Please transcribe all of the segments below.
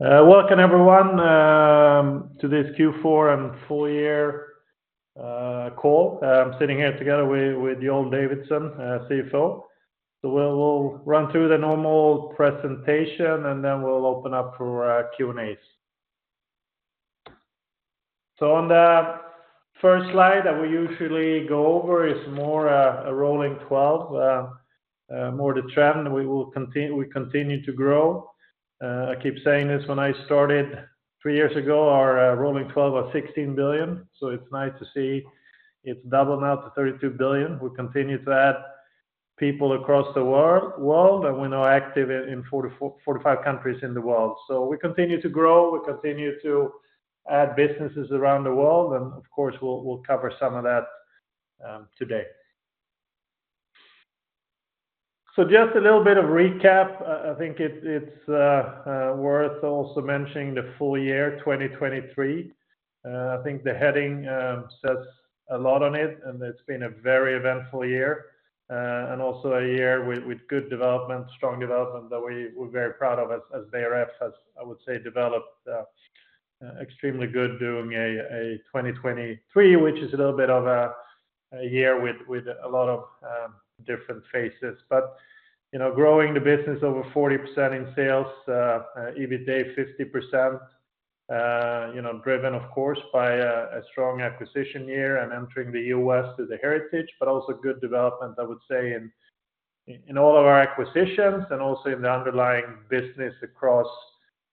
Welcome everyone to this Q4 and full year call. I'm sitting here together with Joel Davidsson, CFO. We'll run through the normal presentation, and then we'll open up for Q&As. On the first slide that we usually go over is more a rolling twelve, more the trend. We continue to grow. I keep saying this, when I started three years ago, our rolling twelve was 16 billion, so it's nice to see it's doubled now to 32 billion. We continue to add people across the world, and we're now active in 44-45 countries in the world. We continue to grow, we continue to add businesses around the world, and of course, we'll cover some of that today. Just a little bit of recap. I think it's worth also mentioning the full year, 2023. I think the heading says a lot on it, and it's been a very eventful year, and also a year with good development, strong development that we're very proud of as Beijer Ref, as I would say, developed extremely good during a 2023, which is a little bit of a year with a lot of different phases. You know, growing the business over 40% in sales, EBITDA 50%, you know, driven, of course, by a strong acquisition year and entering the U.S. through the Heritage, but also good development, I would say, in all of our acquisitions and also in the underlying business across,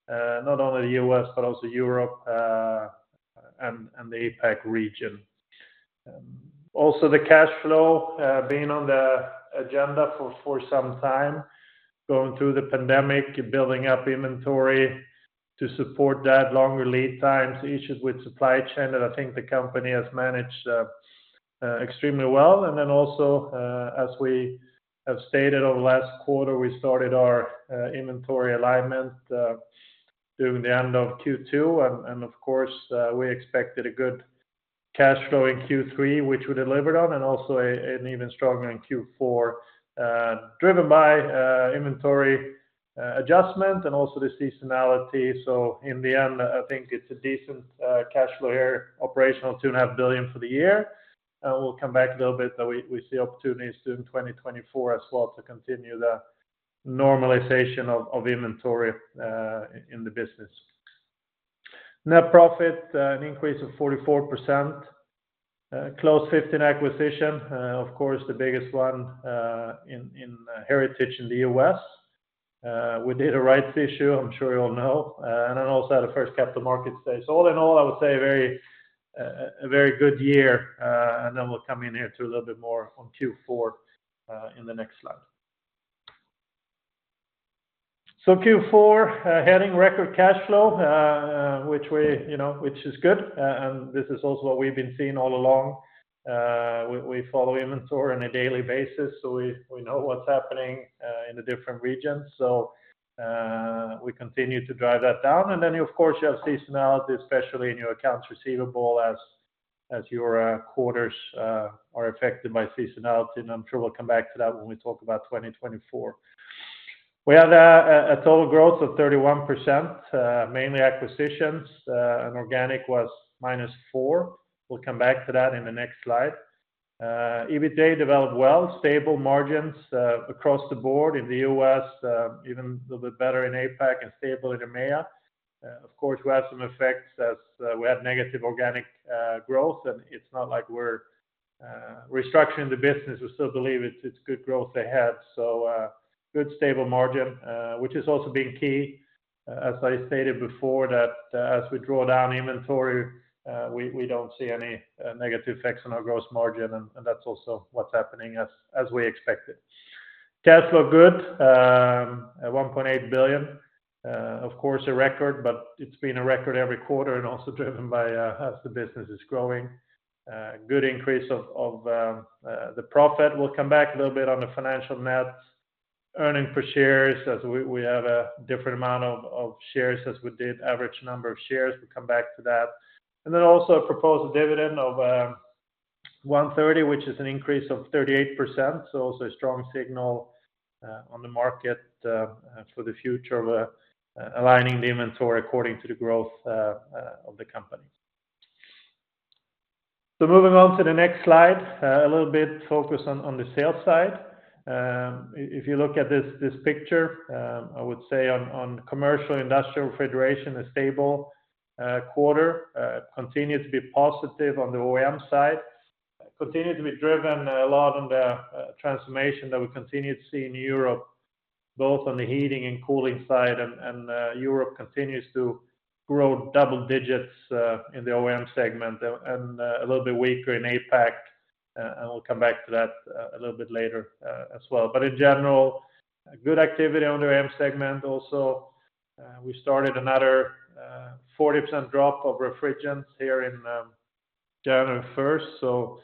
not only the U.S., but also Europe, and the APAC region. Also the cash flow being on the agenda for some time, going through the pandemic, building up inventory to support that longer lead times, issues with supply chain, that I think the company has managed extremely well. Then also, as we have stated over the last quarter, we started our inventory alignment during the end of Q2, and of course, we expected a good cash flow in Q3, which we delivered on, and also an even stronger in Q4, driven by inventory adjustment and also the seasonality. So in the end, I think it's a decent cash flow year, operational 2.5 billion for the year. And we'll come back a little bit, but we see opportunities through 2024 as well to continue the normalization of inventory in the business. Net profit, an increase of 44%, close 50 in acquisition. Of course, the biggest one, in Heritage in the U.S. We did a rights issue, I'm sure you all know, and then also had a first capital market stage. All in all, I would say a very, a very good year, and then we'll come in here to a little bit more on Q4, in the next slide. So Q4, heading record cash flow, which you know, which is good, and this is also what we've been seeing all along. We follow inventory on a daily basis, so we know what's happening in the different regions. So, we continue to drive that down. And then, of course, you have seasonality, especially in your accounts receivable, as your quarters are affected by seasonality, and I'm sure we'll come back to that when we talk about 2024. We had a total growth of 31%, mainly acquisitions, and organic was -4%. We'll come back to that in the next slide. EBITDA developed well, stable margins, across the board in the U.S., even a little bit better in APAC and stable in EMEA. Of course, we have some effects as we have negative organic growth, and it's not like we're restructuring the business. We still believe it's good growth ahead. So, good stable margin, which has also been key, as I stated before, that as we draw down inventory, we don't see any negative effects on our gross margin, and that's also what's happening as we expected. Cash flow good, at 1.8 billion. Of course, a record, but it's been a record every quarter and also driven by, as the business is growing. Good increase of the profit. We'll come back a little bit on the financial net, earnings per share, as we have a different amount of shares as we did, average number of shares. We'll come back to that. Then also a proposed dividend of 1.30 SEK, which is an increase of 38%. Also a strong signal on the market for the future of aligning the inventory according to the growth of the company. Moving on to the next slide, a little bit focused on the sales side. If you look at this, this picture, I would say on, on commercial industrial refrigeration, a stable quarter continues to be positive on the OEM side. Continues to be driven a lot on the transformation that we continue to see in Europe, both on the heating and cooling side, and, and, Europe continues to grow double digits in the OEM segment, and a little bit weaker in APAC, and we'll come back to that a little bit later, as well. But in general, a good activity on the OEM segment. Also, we started another 40% drop of refrigerants here in January first. So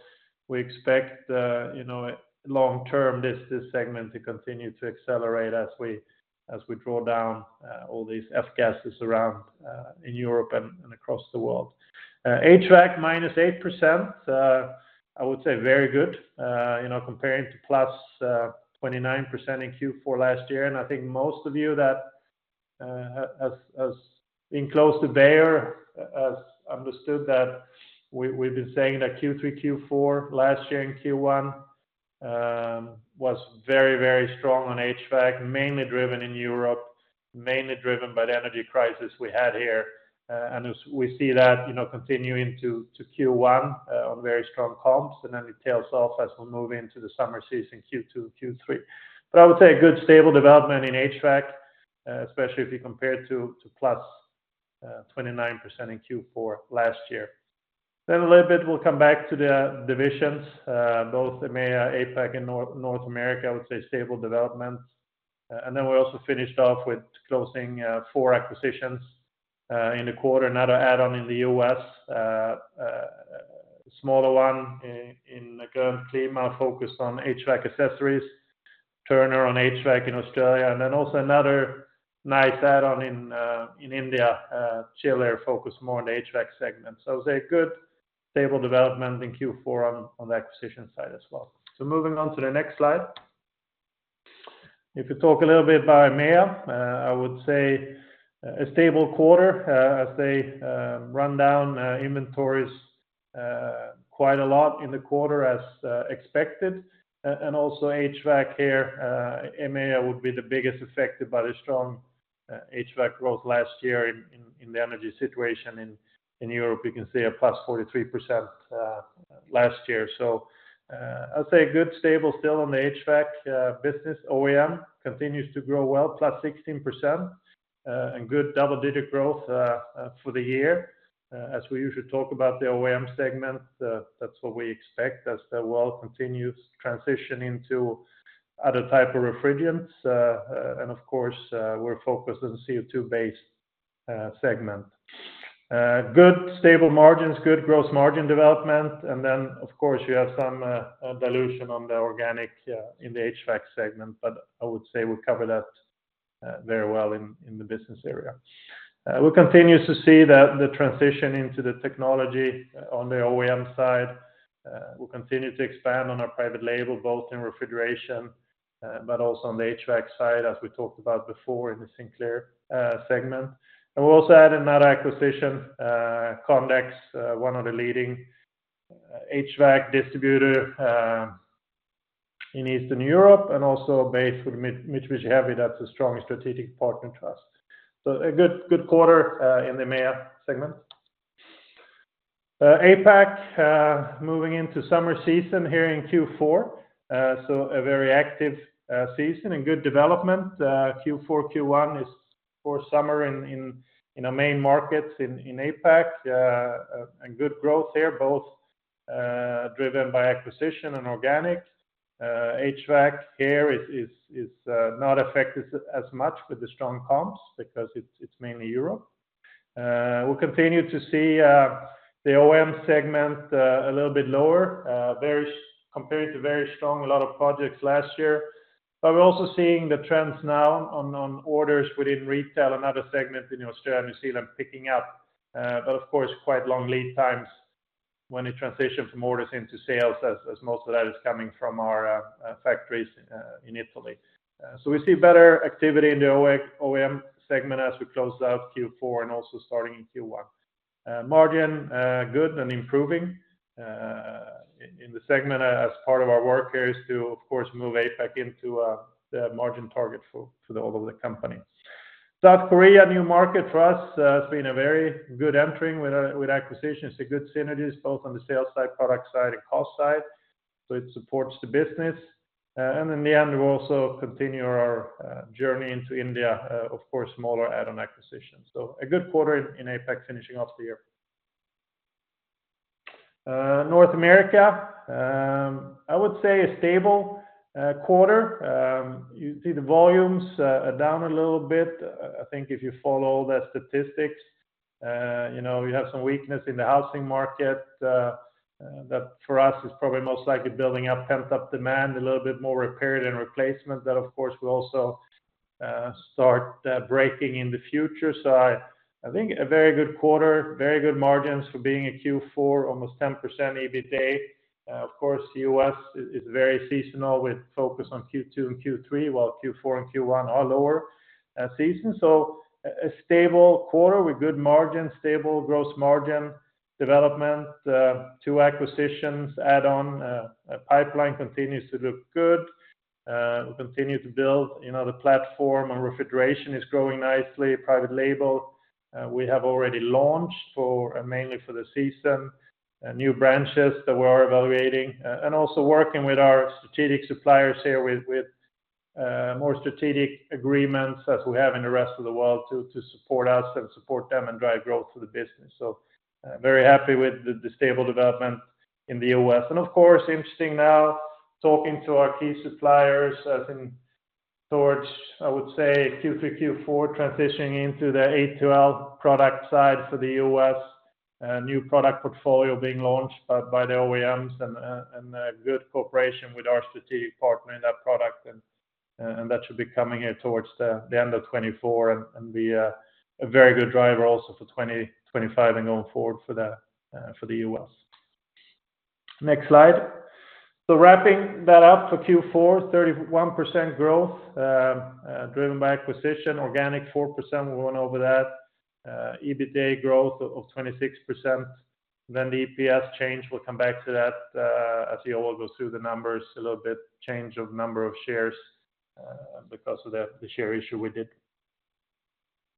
we expect, you know, long term, this segment to continue to accelerate as we draw down all these F-gases around in Europe and across the world. HVAC, -8%, I would say very good, you know, comparing to +29% in Q4 last year. And I think most of you as being close to Beijer as understood that we, we've been saying that Q3, Q4 last year, and Q1 was very, very strong on HVAC, mainly driven in Europe, mainly driven by the energy crisis we had here. And as we see that, you know, continuing to Q1 on very strong comps, and then it tails off as we move into the summer season, Q2, Q3. But I would say a good stable development in HVAC, especially if you compare it to +29% in Q4 last year. Then a little bit, we'll come back to the divisions, both EMEA, APAC, and North America. I would say stable development. And then we also finished off with closing four acquisitions in the quarter, another add-on in the U.S., smaller one in EMEA, focused on HVAC accessories, Turner on HVAC in Australia, and then also another nice add-on in India, chiller focused more on the HVAC segment. So I would say a good stable development in Q4 on the acquisition side as well. So moving on to the next slide. If you talk a little bit about EMEA, I would say, a stable quarter, as they run down inventories quite a lot in the quarter as expected. And also HVAC here, EMEA would be the biggest affected by the strong HVAC growth last year in the energy situation in Europe, you can see a +43% last year. So, I'd say a good stable still on the HVAC business. OEM continues to grow well, +16%, and good double-digit growth for the year. As we usually talk about the OEM segment, that's what we expect as the world continues to transition into other type of refrigerants, and of course, we're focused on CO2-based segment. Good stable margins, good gross margin development, and then, of course, you have some dilution on the organic in the HVAC segment, but I would say we cover that very well in the business area. We'll continue to see the transition into the technology on the OEM side. We'll continue to expand on our private label, both in refrigeration, but also on the HVAC side, as we talked about before in the Sinclair segment. And we're also adding that acquisition, Condex, one of the leading HVAC distributor in Eastern Europe, and also a base for Mitsubishi Heavy, that's a strong strategic partner to us. So a good quarter in the EMEA segment. APAC, moving into summer season here in Q4, so a very active season and good development. Q4, Q1 is for summer in our main markets in APAC, and good growth here, both driven by acquisition and organic. HVAC here is not affected as much with the strong comps because it's mainly Europe. We'll continue to see the OEM segment a little bit lower, very compared to very strong, a lot of projects last year. But we're also seeing the trends now on orders within retail, another segment in Australia and New Zealand picking up, but of course, quite long lead times when it transitions from orders into sales, as most of that is coming from our factories in Italy. So we see better activity in the OEM segment as we close out Q4 and also starting in Q1. Margin, good and improving, in the segment as part of our work here is to, of course, move APAC into the margin target for, for all of the company. South Korea, a new market for us, it's been a very good entering with acquisitions, good synergies, both on the sales side, product side, and cost side, so it supports the business. And in the end, we'll also continue our journey into India, of course, smaller add-on acquisitions. So a good quarter in APAC, finishing off the year. North America, I would say a stable quarter. You see the volumes are down a little bit. I think if you follow the statistics, you know, you have some weakness in the housing market, that for us is probably most likely building up, pent up demand, a little bit more repair and replacement. That, of course, will also, start, breaking in the future. So I think a very good quarter, very good margins for being a Q4, almost 10% EBITA. Of course, U.S. is very seasonal with focus on Q2 and Q3, while Q4 and Q1 are lower, season. So a stable quarter with good margin, stable gross margin development, two acquisitions add on, a pipeline continues to look good. We'll continue to build, you know, the platform, and refrigeration is growing nicely. Private label, we have already launched for, mainly for the season, new branches that we are evaluating, and also working with our strategic suppliers here with more strategic agreements as we have in the rest of the world to support us and support them and drive growth to the business. So, very happy with the stable development in the U.S.. Of course, interesting now, talking to our key suppliers, as in towards, I would say, Q3, Q4, transitioning into the A2L product side for the U.S., new product portfolio being launched by the OEMs and a good cooperation with our strategic partner in that product, and that should be coming here towards the end of 2024 and be a very good driver also for 2025 and going forward for the U.S.. Next slide. Wrapping that up for Q4, 31% growth, driven by acquisition, organic 4%, we went over that. EBITDA growth of 26%, then the EPS change, we'll come back to that, as Joel goes through the numbers a little bit, change of number of shares, because of the share issue we did.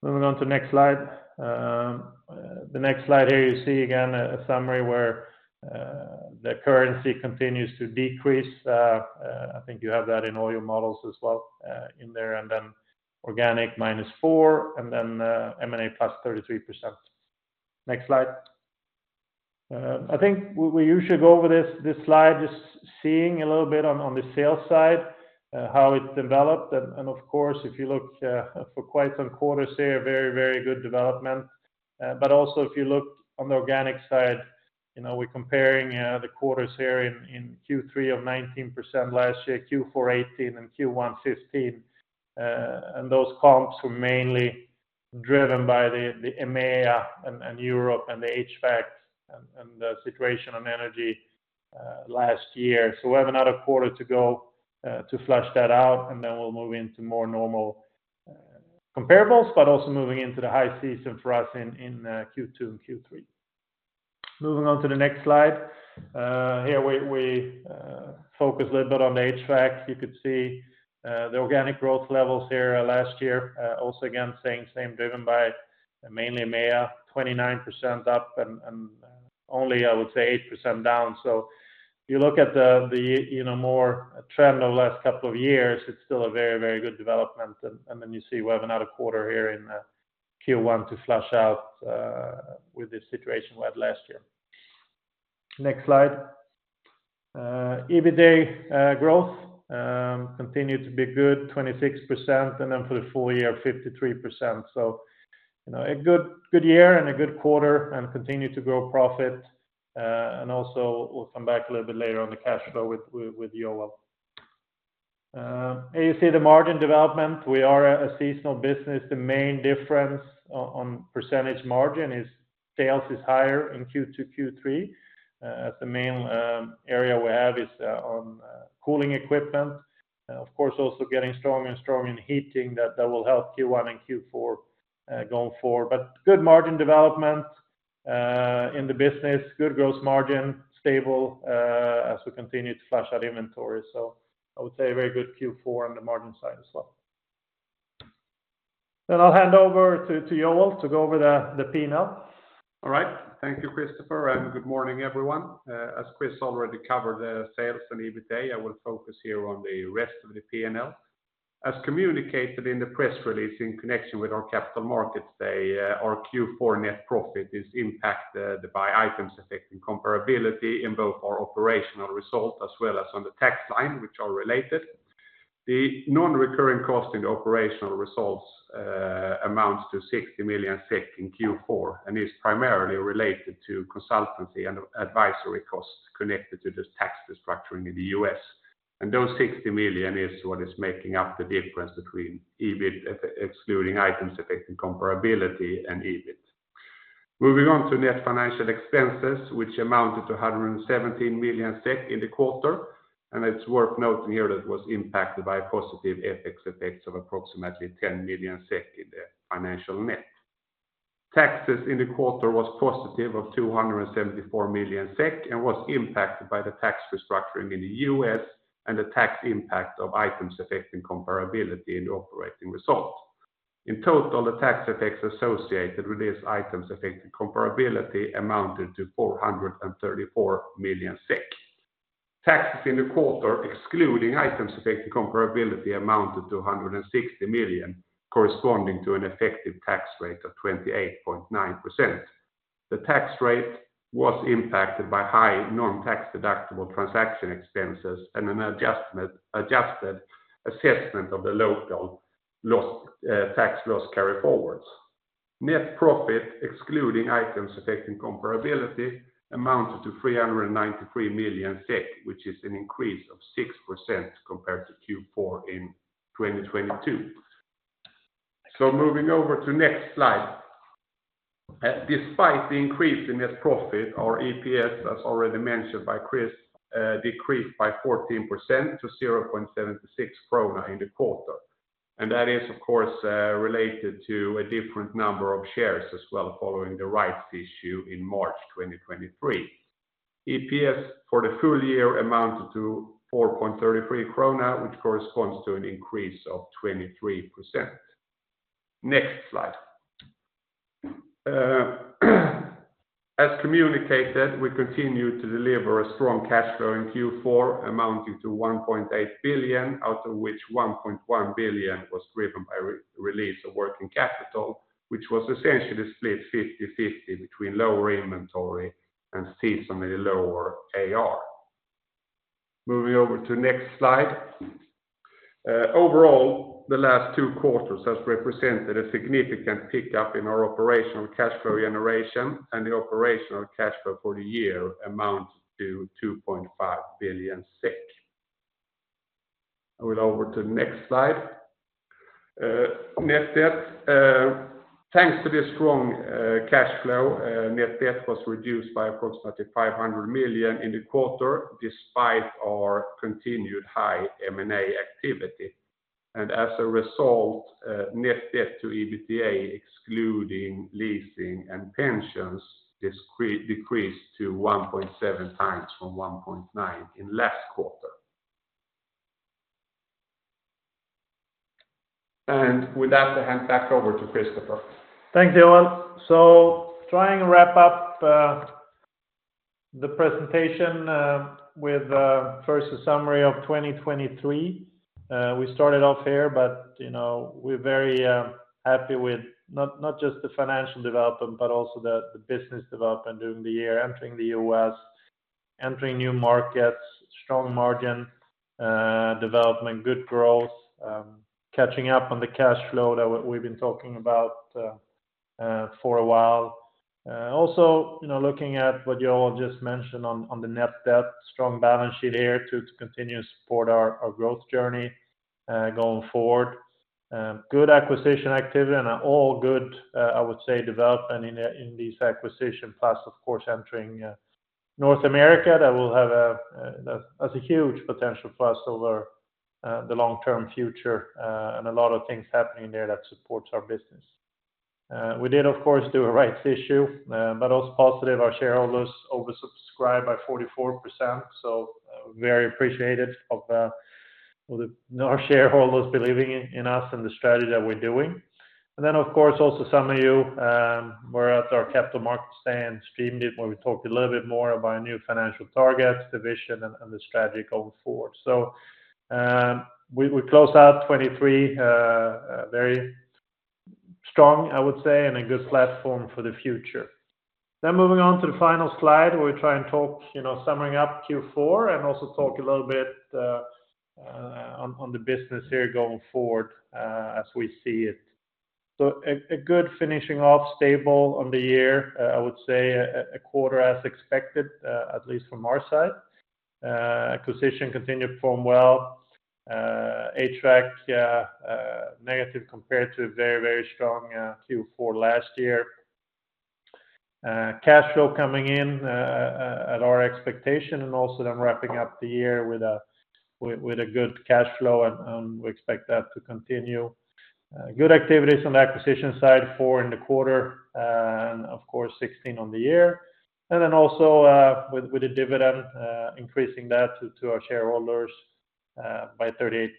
Moving on to the next slide. The next slide here, you see again, a summary where the currency continues to decrease. I think you have that in all your models as well, in there, and then organic -4%, and then M&A +33%. Next slide. I think we usually go over this slide, just seeing a little bit on the sales side, how it's developed. And of course, if you look for quite some quarters here, very, very good development. But also if you look on the organic side, you know, we're comparing the quarters here in Q3 of 19% last year, Q4 18% and Q1 15%. And those comps were mainly driven by the EMEA and Europe and the HVAC and the situation on energy last year. So we have another quarter to go to flush that out, and then we'll move into more normal comparables, but also moving into the high season for us in Q2 and Q3. Moving on to the next slide. Here, we focus a little bit on the HVAC. You could see the organic growth levels here last year. Also again, driven by mainly EMEA, 29% up and only, I would say, 8% down. So if you look at the you know, more trend over the last couple of years, it's still a very, very good development. Then you see we have another quarter here in Q1 to flush out with this situation we had last year. Next slide. EBITDA growth continued to be good, 26%, and then for the full year, 53%. So you know, a good, good year and a good quarter and continue to grow profit. And also we'll come back a little bit later on the cash flow with Joel. Here you see the margin development. We are a seasonal business. The main difference on percentage margin is sales is higher in Q2, Q3. The main area we have is on cooling equipment. Of course, also getting stronger and stronger in heating, that will help Q1 and Q4 going forward. But good margin development in the business, good growth margin, stable, as we continue to flush out inventory. So I would say a very good Q4 on the margin side as well. Then I'll hand over to Joel to go over the P&L. All right. Thank you, Christopher, and good morning, everyone. As Chris already covered the sales and EBITDA, I will focus here on the rest of the P&L. As communicated in the press release in connection with our capital markets day, our Q4 net profit is impacted by items affecting comparability in both our operational results as well as on the tax line, which are related. The non-recurring cost in the operational results amounts to 60 million SEK in Q4, and is primarily related to consultancy and advisory costs connected to this tax restructuring in the U.S. And those 60 million is what is making up the difference between EBIT, excluding items affecting comparability and EBIT. Moving on to net financial expenses, which amounted to 117 million SEK in the quarter, and it's worth noting here that it was impacted by a positive FX effects of approximately 10 million SEK in the financial net. Taxes in the quarter was positive of 274 million SEK, and was impacted by the tax restructuring in the U.S. and the tax impact of items affecting comparability in the operating results. In total, the tax effects associated with these items affecting comparability amounted to 434 million SEK. Taxes in the quarter, excluding items affecting comparability, amounted to 160 million, corresponding to an effective tax rate of 28.9%. The tax rate was impacted by high non-tax deductible transaction expenses and an adjustment, adjusted assessment of the local loss, tax loss carryforwards. Net profit, excluding items affecting comparability, amounted to 393 million SEK, which is an increase of 6% compared to Q4 in 2022. So moving over to next slide. Despite the increase in net profit, our EPS, as already mentioned by Chris, decreased by 14% to 0.76 krona in the quarter. And that is, of course, related to a different number of shares as well, following the rights issue in March 2023. EPS for the full year amounted to 4.33 krona, which corresponds to an increase of 23%. Next slide. As communicated, we continue to deliver a strong cash flow in Q4, amounting to 1.8 billion, out of which 1.1 billion was driven by re-release of working capital, which was essentially split 50/50 between lower inventory and seasonally lower AR. Moving over to next slide. Overall, the last two quarters has represented a significant pickup in our operational cash flow generation, and the operational cash flow for the year amounts to 2.5 billion. I will go over to the next slide. Net debt, thanks to the strong cash flow, net debt was reduced by approximately 500 million in the quarter, despite our continued high M&A activity. As a result, net debt to EBITDA, excluding leasing and pensions, decreased to 1.7x from 1.9 in last quarter. With that, I hand back over to Christopher. Thanks, Joel. So trying to wrap up the presentation with first a summary of 2023. We started off here, but, you know, we're very happy with not just the financial development, but also the business development during the year, entering the U.S., entering new markets, strong margin development, good growth, catching up on the cash flow that we've been talking about for a while. Also, you know, looking at what Joel just mentioned on the net debt, strong balance sheet here to continue to support our growth journey going forward. Good acquisition activity and all good, I would say, development in, in these acquisition, plus, of course, entering, North America, that will have a, that's a huge potential plus over, the long-term future, and a lot of things happening there that supports our business. We did, of course, do a rights issue, but also positive, our shareholders oversubscribed by 44%, so very appreciated of, our shareholders believing in us and the strategy that we're doing. And then, of course, also some of you, were at our Capital Markets Day and streamed it, where we talked a little bit more about our new financial targets, the vision, and, and the strategy going forward. So, we, we close out 2023, very strong, I would say, and a good platform for the future. Then moving on to the final slide, where we try and talk, you know, summing up Q4, and also talk a little bit on the business here going forward, as we see it. So a good finishing off, stable on the year, I would say a quarter as expected, at least from our side. Acquisition continued to perform well, HVAC negative compared to a very, very strong Q4 last year. Cash flow coming in at our expectation, and also then wrapping up the year with a good cash flow, and we expect that to continue. Good activities on the acquisition side, four in the quarter, and of course, 16 on the year. And then also with the dividend, increasing that to our shareholders by 38%.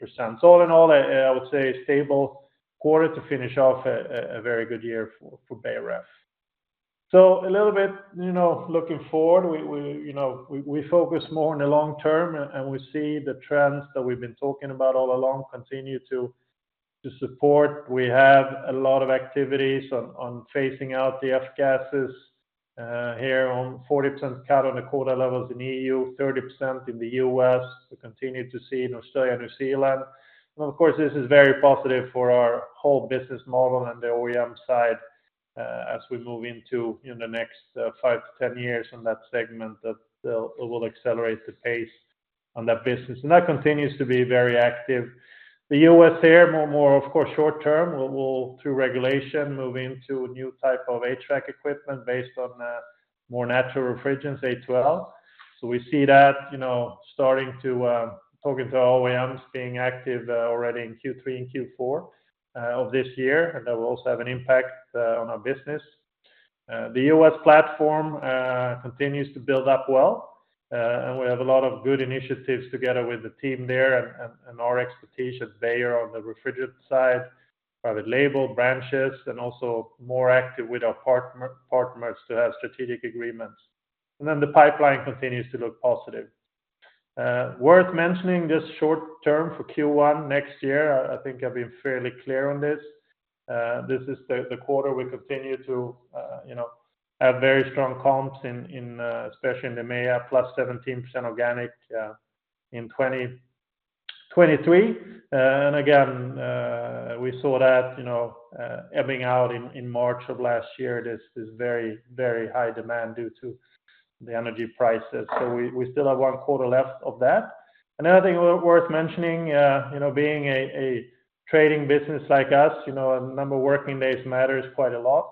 So all in all, I would say a stable quarter to finish off a very good year for Beijer Ref. So a little bit, you know, looking forward, we focus more on the long term, and we see the trends that we've been talking about all along continue to support. We have a lot of activities on phasing out the F-gases, here on 40% cut on the quota levels in EU, 30% in the U.S. We continue to see in Australia and New Zealand. And of course, this is very positive for our whole business model and the OEM side, as we move into, you know, the next 5-10 years on that segment, that it will accelerate the pace on that business. And that continues to be very active. The U.S. here, more of course, short term, will through regulation move into a new type of HVAC equipment based on more natural refrigerants, A2L. So we see that, you know, starting to talking to our OEMs, being active already in Q3 and Q4 of this year, and that will also have an impact on our business. The U.S. platform continues to build up well, and we have a lot of good initiatives together with the team there and our expertise at Beijer on the refrigerant side, private label brands, and also more active with our partners to have strategic agreements. And then the pipeline continues to look positive. Worth mentioning, just short term for Q1 next year, I think I've been fairly clear on this. This is the, the quarter we continue to, you know, have very strong comps in, in, especially in the EMEA, +17% organic, in 2023. And again, we saw that, you know, ebbing out in, in March of last year, this, this very, very high demand due to the energy prices. So we, we still have one quarter left of that. Another thing worth mentioning, you know, being a, a trading business like us, you know, a number of working days matters quite a lot.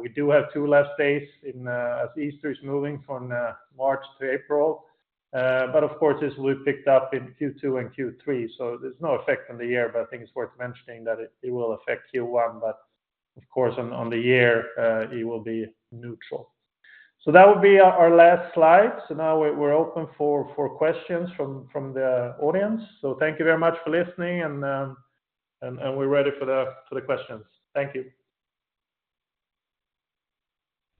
We do have two less days in, as Easter is moving from March to April, but of course, this will be picked up in Q2 and Q3, so there's no effect on the year, but I think it's worth mentioning that it will affect Q1, but of course, on the year, it will be neutral. So that would be our last slide. So now we're open for questions from the audience. So thank you very much for listening, and we're ready for the questions. Thank you.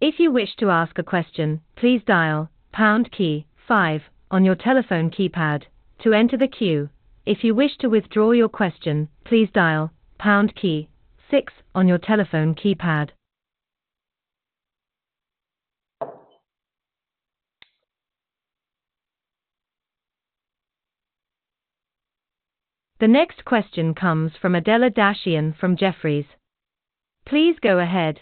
If you wish to ask a question, please dial pound key five on your telephone keypad to enter the queue. If you wish to withdraw your question, please dial pound key six on your telephone keypad. The next question comes from Adela Dashian from Jefferies. Please go ahead.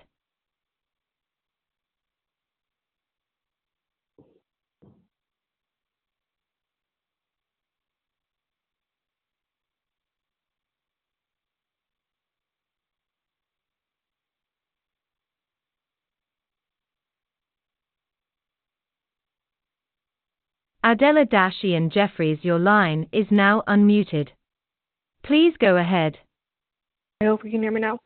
Adela Dashian, Jefferies, your line is now unmuted. Please go ahead. I hope you can hear me now.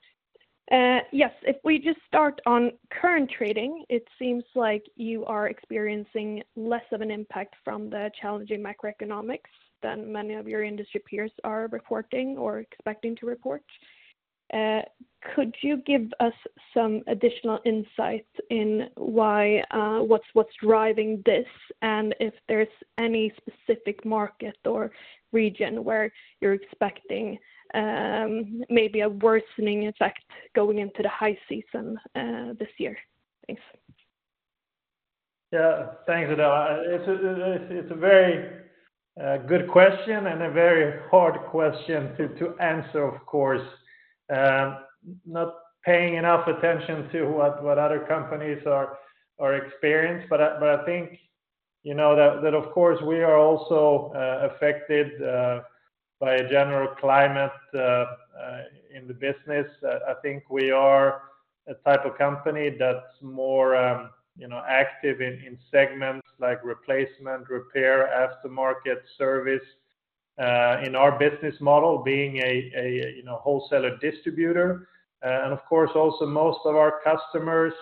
Yes, if we just start on current trading, it seems like you are experiencing less of an impact from the challenging macroeconomics than many of your industry peers are reporting or expecting to report. Could you give us some additional insights into why what's driving this? And if there's any specific market or region where you're expecting maybe a worsening effect going into the high season this year? Thanks. Yeah. Thanks, Adela. It's a very good question and a very hard question to answer, of course. Not paying enough attention to what other companies are experienced, but I think, you know, that, of course, we are also affected by a general climate in the business. I think we are a type of company that's more, you know, active in segments like replacement, repair, aftermarket service in our business model, being a, you know, wholesaler distributor. And of course, also, most of our customers,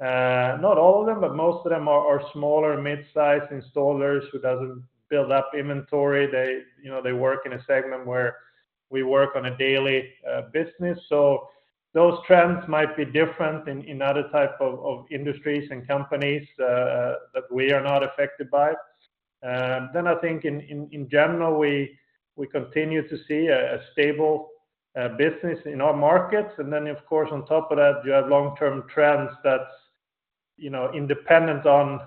not all of them, but most of them are smaller mid-size installers who doesn't build up inventory. They, you know, they work in a segment where we work on a daily business. So those trends might be different in other type of industries and companies that we are not affected by. Then I think in general we continue to see a stable business in our markets. And then, of course, on top of that, you have long-term trends that's, you know, independent on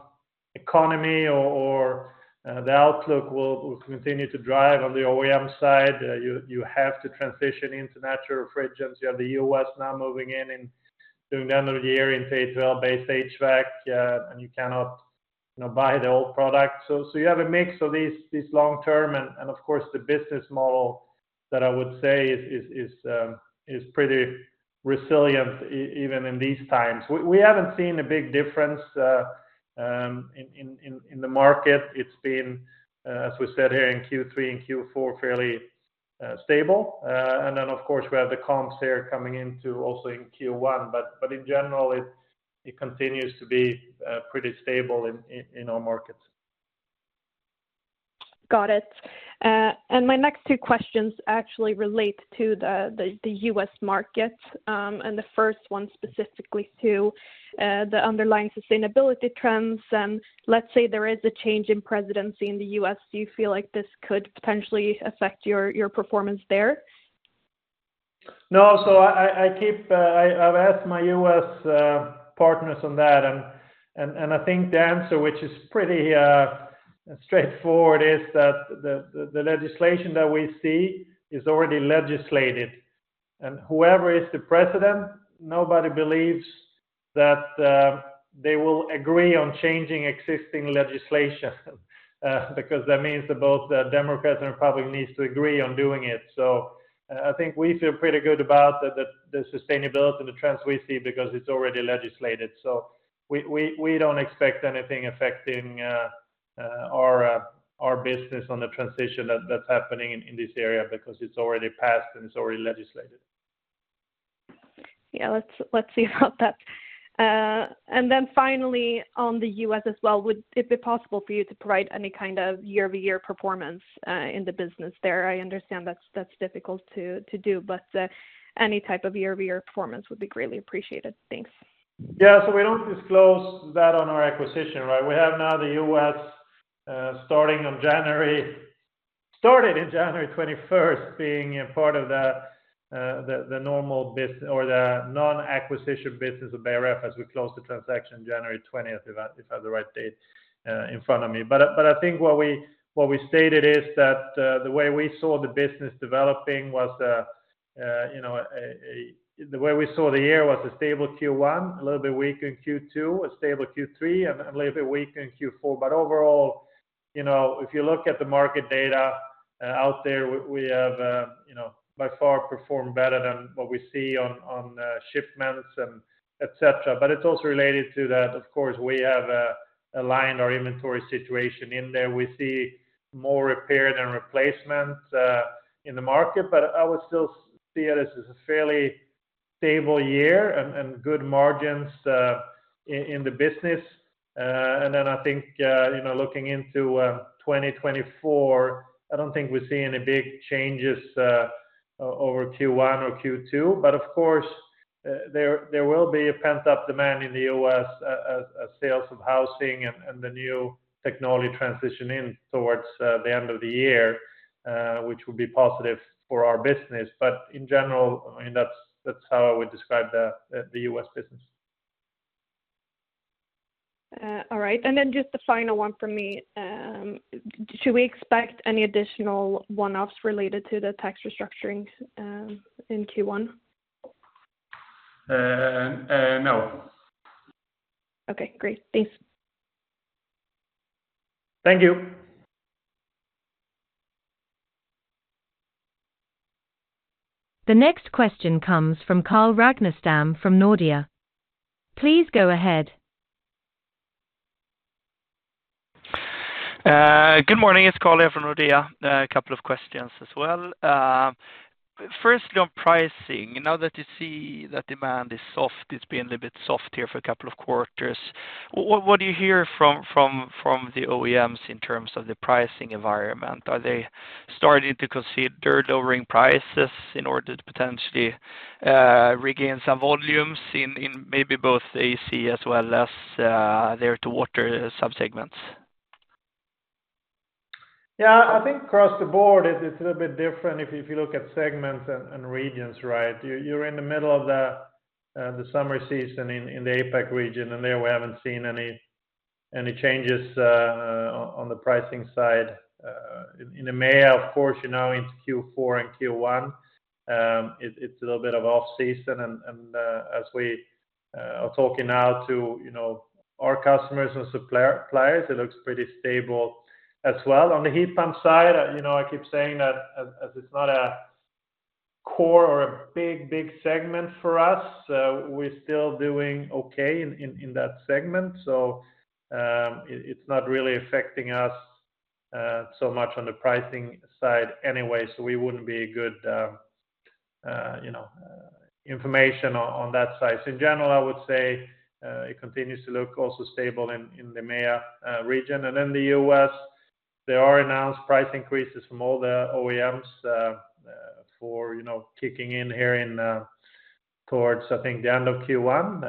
economy or the outlook will continue to drive on the OEM side. You have to transition into natural refrigerants. You have the U.S. now moving in during the end of the year in A2L-based HVAC, and you cannot, you know, buy the old product. So you have a mix of these long term. And of course, the business model that I would say is pretty resilient even in these times. We haven't seen a big difference in the market. It's been, as we said, here in Q3 and Q4, fairly stable. And then, of course, we have the comps here coming into also in Q1. But in general, it continues to be pretty stable in our markets. Got it. And my next two questions actually relate to the U.S. market, and the first one specifically to the underlying sustainability trends. Let's say there is a change in presidency in the U.S., do you feel like this could potentially affect your performance there? No. So I've asked my U.S. partners on that, and I think the answer, which is pretty straightforward, is that the legislation that we see is already legislated, and whoever is the president, nobody believes that they will agree on changing existing legislation, because that means that both the Democrats and Republicans need to agree on doing it. So I think we feel pretty good about the sustainability, the trends we see, because it's already legislated. So we don't expect anything affecting our business on the transition that's happening in this area because it's already passed and it's already legislated. Yeah, let's see about that. And then finally, on the U.S. as well, would it be possible for you to provide any kind of year-over-year performance in the business there? I understand that's difficult to do, but any type of year-over-year performance would be greatly appreciated. Thanks. Yeah. So we don't disclose that on our acquisition, right? We have now the U.S. starting on January—started in January 21st, being a part of the normal business or the non-acquisition business of Beijer Ref as we closed the transaction January 20th, if I have the right date in front of me. But I think what we stated is that the way we saw the business developing was you know. The way we saw the year was a stable Q1, a little bit weaker Q2, a stable Q3, and a little bit weaker in Q4. But overall, you know, if you look at the market data out there, we have you know by far performed better than what we see on shipments and et cetera. But it's also related to that, of course, we have aligned our inventory situation in there. We see more repair than replacements in the market, but I would still see it as a fairly stable year and good margins in the business. And then I think, you know, looking into 2024, I don't think we're seeing any big changes over Q1 or Q2, but of course, there will be a pent-up demand in the U.S., sales of housing and the new technology transition in towards the end of the year, which will be positive for our business. But in general, I mean, that's how I would describe the U.S. business. All right. And then just the final one for me. Should we expect any additional one-offs related to the tax restructuring in Q1?... no. Okay, great. Thanks. Thank you. The next question comes from Carl Ragnerstam from Nordea. Please go ahead. Good morning, it's Carl here from Nordea. A couple of questions as well. Firstly, on pricing, now that you see that demand is soft, it's been a little bit soft here for a couple of quarters. What, what do you hear from, from, from the OEMs in terms of the pricing environment? Are they starting to consider lowering prices in order to potentially regain some volumes in, in maybe both AC as well as their two water subsegments? Yeah, I think across the board, it's a little bit different if you look at segments and regions, right? You're in the middle of the summer season in the APAC region, and there we haven't seen any changes on the pricing side. In May, of course, you're now into Q4 and Q1. It's a little bit of off season and as we are talking now to, you know, our customers and suppliers, it looks pretty stable as well. On the heat pump side, you know, I keep saying that as it's not a core or a big segment for us, we're still doing okay in that segment. So, it's not really affecting us so much on the pricing side anyway, so we wouldn't be a good, you know, information on that side. So in general, I would say, it continues to look also stable in the EMEA region. And in the U.S., there are announced price increases from all the OEMs, for you know kicking in here in towards, I think, the end of Q1.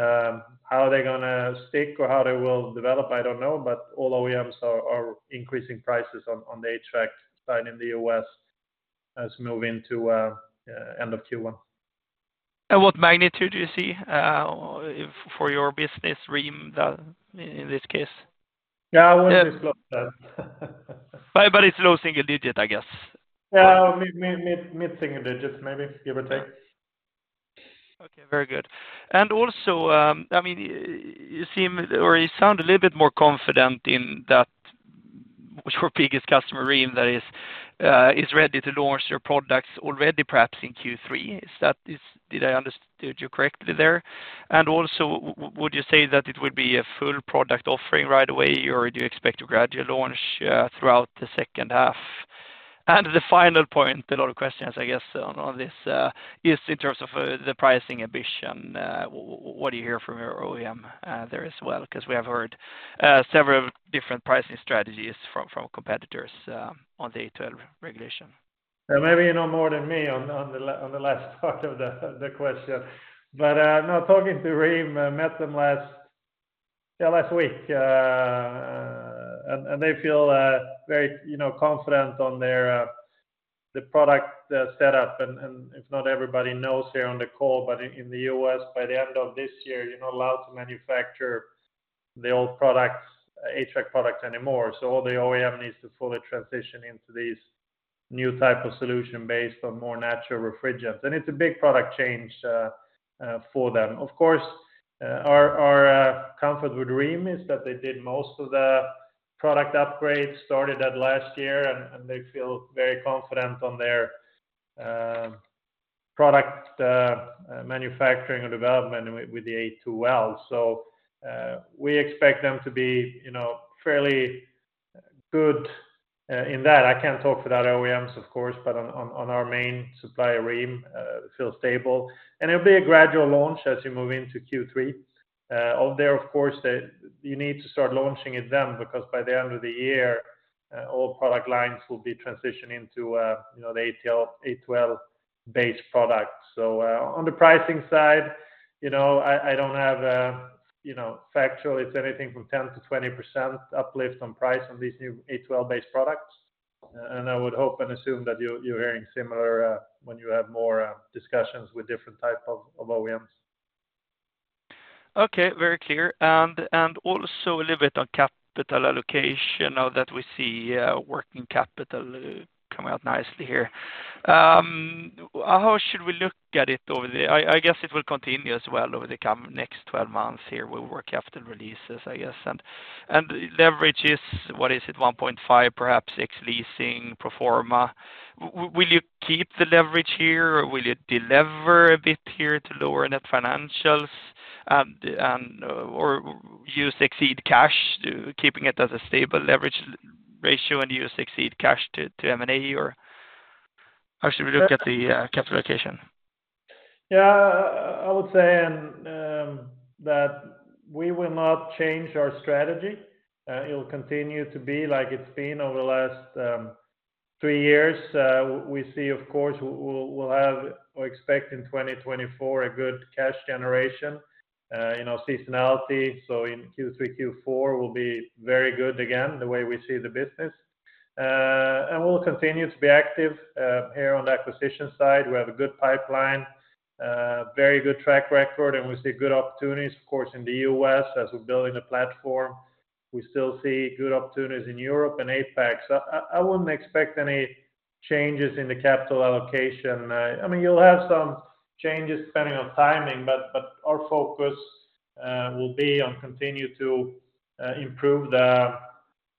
How are they gonna stick or how they will develop? I don't know, but all OEMs are increasing prices on the HVAC side in the U.S. as move into end of Q1. What magnitude do you see for your business Rheem in this case? Yeah, I wouldn't disclose that. But it's low single digit, I guess. Yeah. Mid single digits, maybe, give or take. Okay. Very good. And also, I mean, you seem, or you sound a little bit more confident in that your biggest customer, Rheem, that is, is ready to launch your products already, perhaps in Q3. Is that, is, did I understand you correctly there? And also, would you say that it would be a full product offering right away, or do you expect a gradual launch throughout the second half? And the final point, a lot of questions, I guess, on this, is in terms of the pricing ambition, what do you hear from your OEM there as well? 'Cause we have heard several different pricing strategies from competitors on the A2L regulation. Well, maybe you know more than me on the last part of the question. But no, talking to Rheem, I met them last, yeah, last week, and they feel very you know confident on their the product setup. And if not everybody knows here on the call, but in the U.S., by the end of this year, you're not allowed to manufacture the old products, HVAC products anymore. So all the OEM needs to fully transition into these new type of solution based on more natural refrigerants. And it's a big product change for them. Of course, our comfort with Rheem is that they did most of the product upgrades, started that last year, and they feel very confident on their product manufacturing or development with the A2L. So, we expect them to be, you know, fairly good in that. I can't talk for that OEMs, of course, but on our main supplier, Rheem, feel stable. And it'll be a gradual launch as you move into Q3. Out there, of course, you need to start launching it then, because by the end of the year, all product lines will be transitioning to, you know, the A2L, A2L-based products. So, on the pricing side, you know, I don't have factual. It's anything from 10%-20% uplift on price on these new A2L-based products. And I would hope and assume that you're hearing similar when you have more discussions with different type of OEMs. Okay, very clear. And also a little bit on capital allocation, now that we see working capital come out nicely here. How should we look at it over the... I guess it will continue as well over the coming next 12 months here, we'll work after releases, I guess, and leverage is, what is it? 1.5, perhaps 1.6x leverage pro forma. Will you keep the leverage here, or will you deliver a bit here to lower net financials, and or use excess cash, keeping it as a stable leverage ratio and use excess cash to M&A, or how should we look at the capital allocation? Yeah, I would say that we will not change our strategy. It will continue to be like it's been over the last three years. We see, of course, we'll have or expect in 2024 a good cash generation, you know, seasonality. So in Q3, Q4 will be very good again, the way we see the business. And we'll continue to be active here on the acquisition side. We have a good pipeline, very good track record, and we see good opportunities, of course, in the U.S. as we're building a platform. We still see good opportunities in Europe and APAC. So I wouldn't expect any changes in the capital allocation. I mean, you'll have some changes depending on timing, but, but our focus will be on continue to improve the,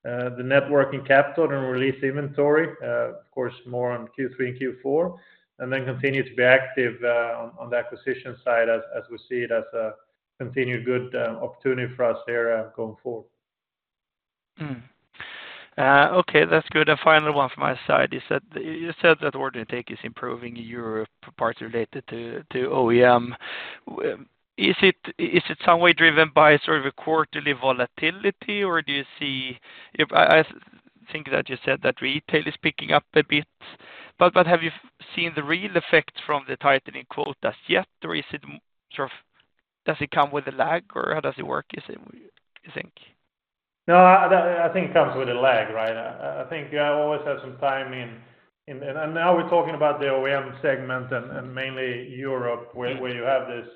the net working capital and release inventory, of course, more on Q3 and Q4, and then continue to be active, on, on the acquisition side as, as we see it, as a continued good opportunity for us there, going forward. Okay, that's good. A final one from my side is that you said that order intake is improving in Europe, parts related to OEM. Is it some way driven by sort of a quarterly volatility, or do you see, if I think that you said that retail is picking up a bit, but have you seen the real effect from the tightening quotas yet? Or is it sort of, does it come with a lag, or how does it work, is it, you think? No, I think it comes with a lag, right? I think you always have some time in—and now we're talking about the OEM segment and mainly Europe, where you have this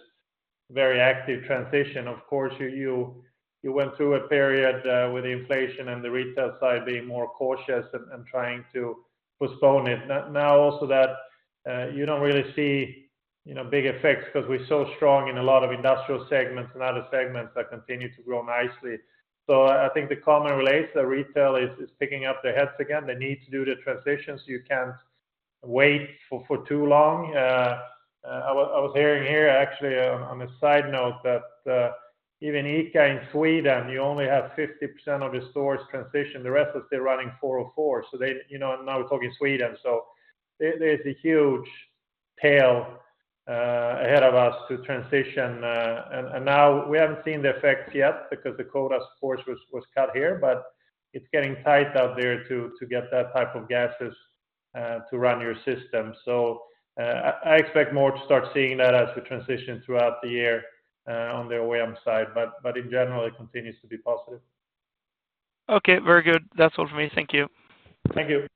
very active transition. Of course, you went through a period with inflation and the retail side being more cautious and trying to postpone it. Now, also that you don't really see, you know, big effects because we're so strong in a lot of industrial segments and other segments that continue to grow nicely. So I think the common relates, the retail is picking up their heads again. They need to do the transition, so you can't wait for too long. I was hearing here, actually, on a side note, that even ICA in Sweden, you only have 50% of the stores transitioned. The rest are still running 404 or 404. So they, you know, now we're talking Sweden, so there, there's a huge tail ahead of us to transition, and now we haven't seen the effects yet because the quota, of course, was cut here, but it's getting tight out there to get that type of gases to run your system. So I expect more to start seeing that as we transition throughout the year, on the OEM side, but in general, it continues to be positive. Okay, very good. That's all for me. Thank you. Thank you.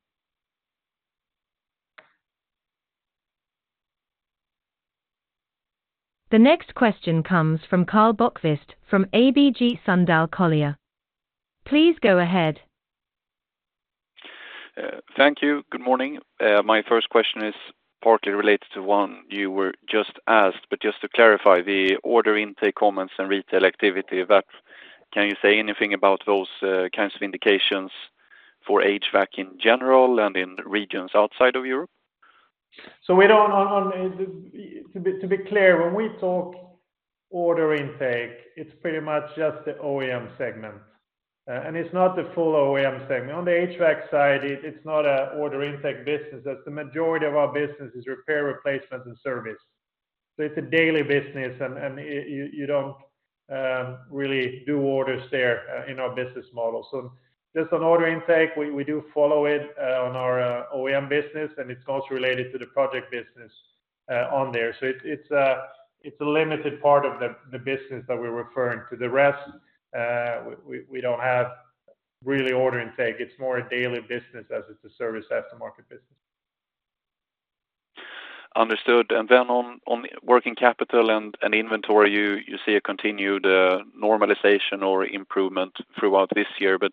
The next question comes from Karl Bokvist from ABG Sundal Collier. Please go ahead. Thank you. Good morning. My first question is partly related to one you were just asked, but just to clarify the order intake, comments, and retail activity, that can you say anything about those kinds of indications for HVAC in general and in regions outside of Europe? So, to be clear, when we talk order intake, it's pretty much just the OEM segment, and it's not the full OEM segment. On the HVAC side, it's not an order intake business. That's the majority of our business is repair, replacement, and service. So it's a daily business, and you don't really do orders there in our business model. So just on order intake, we do follow it on our OEM business, and it's also related to the project business on there. So it's a limited part of the business that we're referring to. The rest, we don't have really order intake. It's more a daily business as it's a service, aftermarket business. Understood. Then on working capital and inventory, you see a continued normalization or improvement throughout this year. But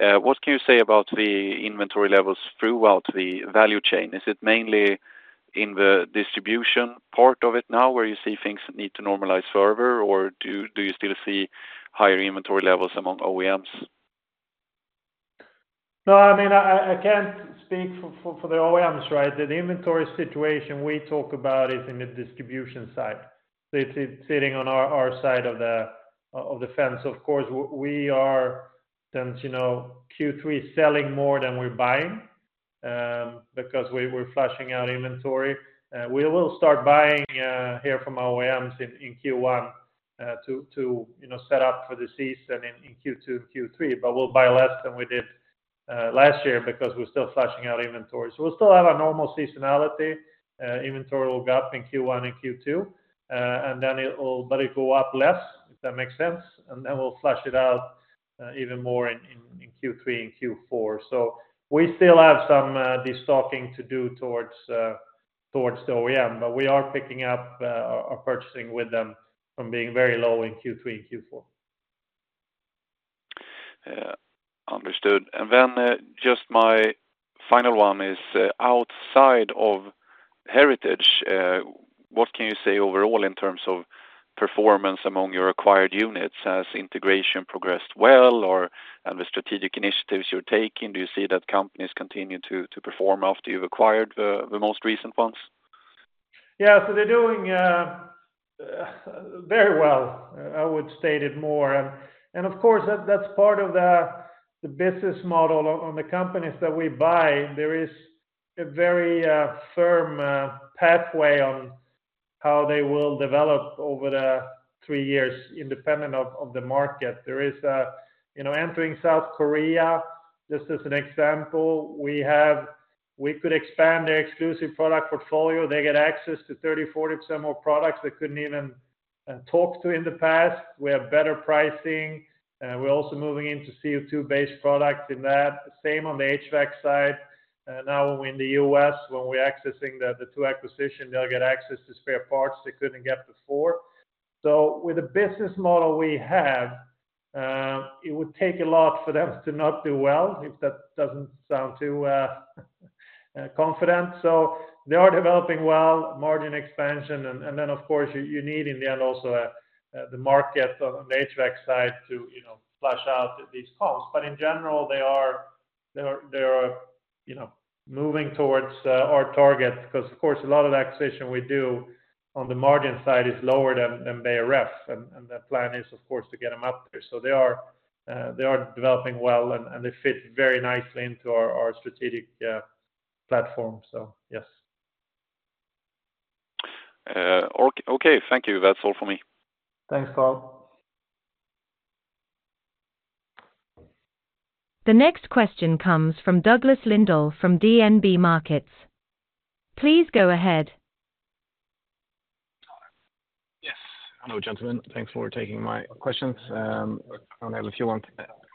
what can you say about the inventory levels throughout the value chain? Is it mainly in the distribution part of it now, where you see things that need to normalize further, or do you still see higher inventory levels among OEMs? No, I mean, I can't speak for the OEMs, right? The inventory situation we talk about is in the distribution side. So it's sitting on our side of the fence. Of course, we are, then, you know, Q3 selling more than we're buying, because we're flushing out inventory. We will start buying here from our OEMs in Q1, to you know, set up for the season in Q2 and Q3. But we'll buy less than we did last year because we're still flushing out inventory. So we'll still have a normal seasonality, inventory will go up in Q1 and Q2, and then it will, but it go up less, if that makes sense, and then we'll flush it out even more in Q3 and Q4. So we still have some destocking to do towards the OEM, but we are picking up our purchasing with them from being very low in Q3 and Q4. Understood. And then, just my final one is, outside of Heritage, what can you say overall in terms of performance among your acquired units? Has integration progressed well, or, and the strategic initiatives you're taking, do you see that companies continue to, to perform after you've acquired the, the most recent ones? Yeah. So they're doing very well. I would state it more, and of course, that's part of the business model on the companies that we buy. There is a very firm pathway on how they will develop over the three years, independent of the market. There is a, you know, entering South Korea, just as an example, we have we could expand their exclusive product portfolio. They get access to 30%-40% more products they couldn't even talk to in the past. We have better pricing, and we're also moving into CO2-based products in that. The same on the HVAC side. Now in the U.S., when we're accessing the two acquisition, they'll get access to spare parts they couldn't get before. So with the business model we have-... It would take a lot for them to not do well, if that doesn't sound too confident. So they are developing well, margin expansion, and then, of course, you need in the end also the market on the HVAC side to, you know, flush out these costs. But in general, they are, you know, moving towards our target, because, of course, a lot of the acquisition we do on the margin side is lower than Beijer Ref, and the plan is, of course, to get them up there. So they are developing well, and they fit very nicely into our strategic platform. So yes. Okay, thank you. That's all for me. Thanks, Karl. The next question comes from Douglas Lindahl from DNB Markets. Please go ahead. Yes. Hello, gentlemen. Thanks for taking my questions. If you want,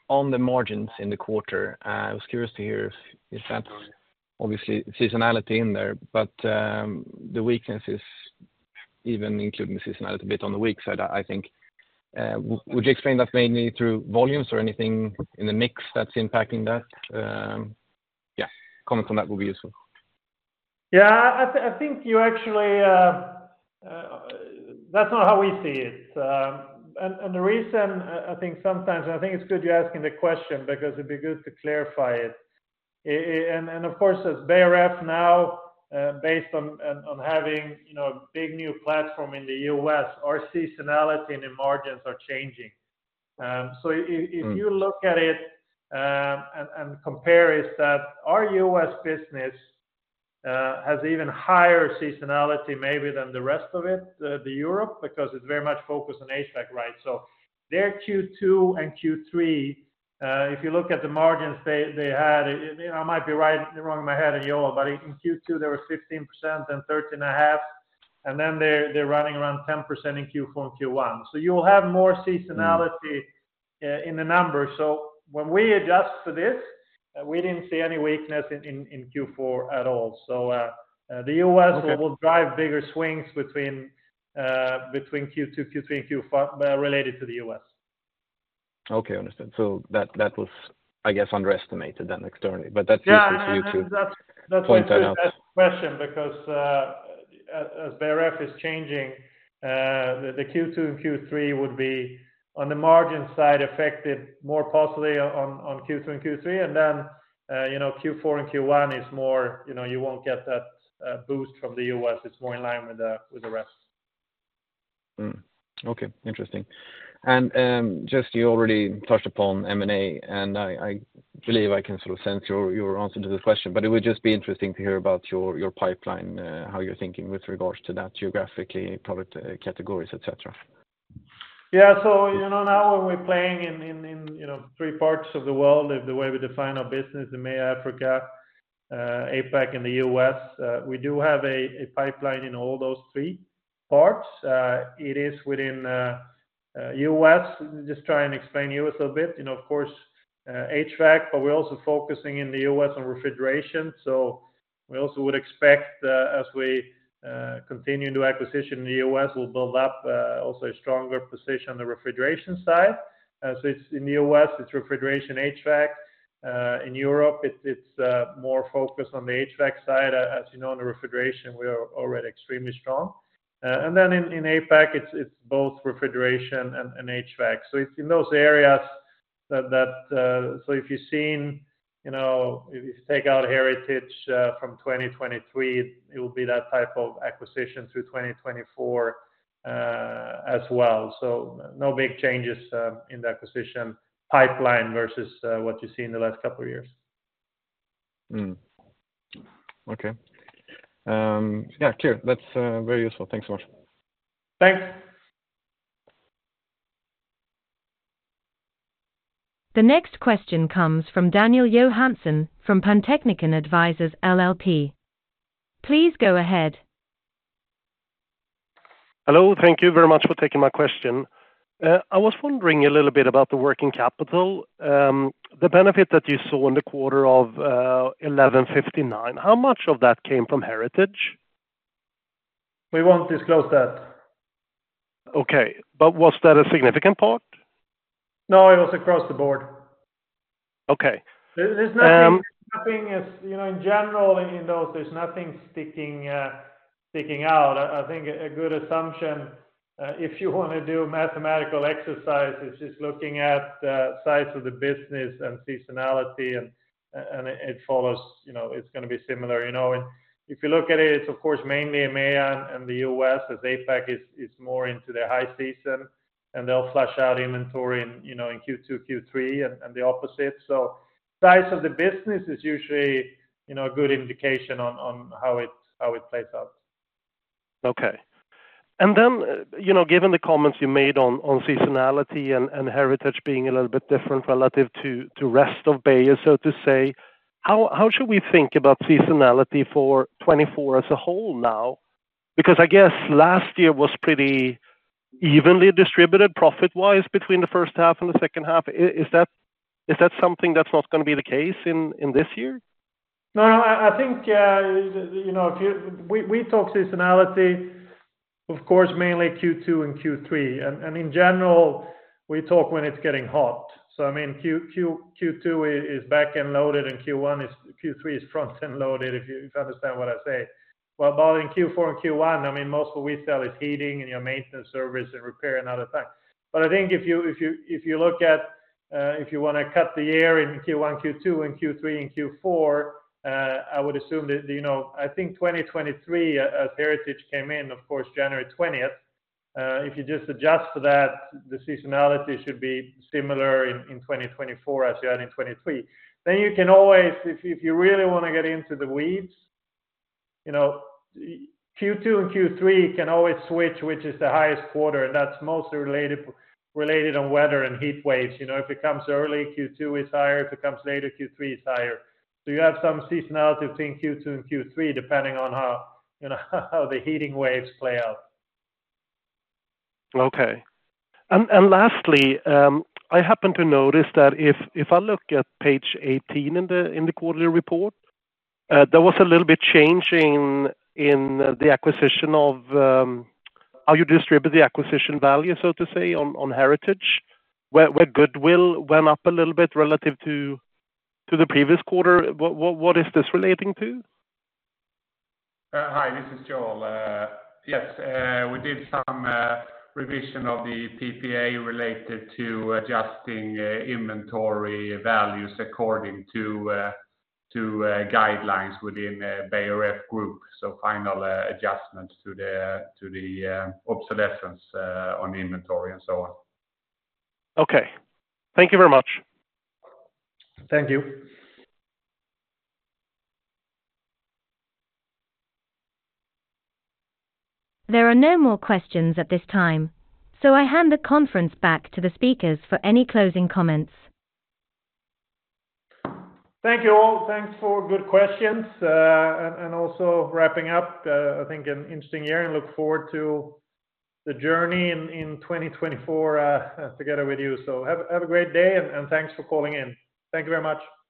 on the margins in the quarter, I was curious to hear if, if that's obviously seasonality in there, but, the weakness is even including seasonality a bit on the weak side, I think. Would you explain that mainly through volumes or anything in the mix that's impacting that? Yeah, comments on that would be useful. Yeah, I think you actually... That's not how we see it. And the reason I think sometimes I think it's good you're asking the question because it'd be good to clarify it. And of course, as Beijer Ref now, based on having, you know, a big new platform in the U.S., our seasonality and the margins are changing. So if you look at it, and compare, is that our U.S. business has even higher seasonality maybe than the rest of it, the Europe, because it's very much focused on HVAC, right? So their Q2 and Q3, if you look at the margins, they had, I might be right or wrong in my head, you know, but in Q2, there were 15% and 13.5%, and then they're running around 10% in Q4 and Q1. So you'll have more seasonality in the numbers. So when we adjust for this, we didn't see any weakness in Q4 at all. So the U.S.- Okay... will drive bigger swings between Q2, Q3, and Q5, related to the U.S. Okay, understood. So that, that was, I guess, underestimated then externally, but that's useful for you to- Yeah... point that out. That's a good question, because, as Beijer Ref is changing, the Q2 and Q3 would be, on the margin side, affected more positively on, on Q2 and Q3, and then, you know, Q4 and Q1 is more, you know, you won't get that boost from the U.S.. It's more in line with the, with the rest. Okay, interesting. And, just you already touched upon M&A, and I, I believe I can sort of sense your, your answer to the question, but it would just be interesting to hear about your, your pipeline, how you're thinking with regards to that geographically, product categories, et cetera. Yeah, so, you know, now when we're playing in, you know, three parts of the world, is the way we define our business, in EMEA, Africa, APAC, and the U.S., we do have a pipeline in all those three parts. It is within U.S.. Just try and explain U.S. a bit, you know, of course, HVAC, but we're also focusing in the U.S. on refrigeration. So we also would expect, as we continue to acquisition in the U.S., we'll build up also a stronger position on the refrigeration side. So it's in the U.S., it's refrigeration HVAC. In Europe, it's more focused on the HVAC side. As you know, in the refrigeration, we are already extremely strong. And then in APAC, it's both refrigeration and HVAC. So it's in those areas that. So if you've seen, you know, if you take out Heritage from 2023, it will be that type of acquisition through 2024 as well. So no big changes in the acquisition pipeline versus what you see in the last couple of years. Okay. Yeah, clear. That's very useful. Thanks so much. Thanks. The next question comes from Daniel Johansson from Pantechnicon Advisors LLP. Please go ahead. Hello, thank you very much for taking my question. I was wondering a little bit about the working capital. The benefit that you saw in the quarter of 1,159, how much of that came from Heritage? We won't disclose that. Okay, but was that a significant part? No, it was across the board. Okay, um- There's nothing... You know, in general, in those, there's nothing sticking out. I think a good assumption, if you want to do a mathematical exercise, is just looking at the size of the business and seasonality, and it follows, you know, it's gonna be similar. You know, and if you look at it, it's, of course, mainly EMEA and the U.S., as APAC is more into their high season, and they'll flush out inventory, you know, in Q2, Q3, and the opposite. So size of the business is usually, you know, a good indication on how it plays out. Okay. And then, you know, given the comments you made on seasonality and Heritage being a little bit different relative to the rest of Beijer, so to say, how should we think about seasonality for 2024 as a whole now? Because I guess last year was pretty evenly distributed, profit-wise, between the first half and the second half. Is that something that's not gonna be the case in this year? No, no, I think, you know, if we talk seasonality, of course, mainly Q2 and Q3. And in general, we talk when it's getting hot. So I mean, Q2 is back-loaded, and Q3 is front-loaded, if you understand what I say. Well, but in Q4 and Q1, I mean, most of what we sell is heating, and your maintenance service, and repair, and other things. But I think if you look at, if you want to cut the year in Q1, Q2, and Q3, and Q4, I would assume that, you know, I think 2023, as Heritage came in, of course, January twentieth, if you just adjust for that, the seasonality should be similar in 2024 as you had in 2023. Then you can always, if you really want to get into the weeds, you know, Q2 and Q3 can always switch, which is the highest quarter, and that's mostly related on weather and heat waves. You know, if it comes early, Q2 is higher, if it comes later, Q3 is higher. So you have some seasonality between Q2 and Q3, depending on how, you know, how the heat waves play out. Okay. And lastly, I happen to notice that if I look at page 18 in the quarterly report, there was a little bit change in the acquisition of how you distribute the acquisition value, so to say, on Heritage, where goodwill went up a little bit relative to the previous quarter. What is this relating to? Hi, this is Joel. Yes, we did some revision of the PPA related to adjusting inventory values according to guidelines within Beijer Ref Group. So final adjustments to the obsolescence on the inventory and so on. Okay. Thank you very much. Thank you. There are no more questions at this time, so I hand the conference back to the speakers for any closing comments. Thank you, all. Thanks for good questions, and, and also wrapping up, I think an interesting year, and look forward to the journey in, in 2024, together with you. So have a, have a great day, and, and thanks for calling in. Thank you very much.